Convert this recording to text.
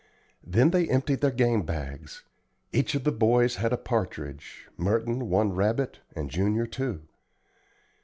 Then they emptied their game bags. Each of the boys had a partridge, Merton one rabbit, and Junior two.